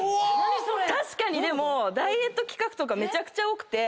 確かにでもダイエット企画とかめちゃくちゃ多くて。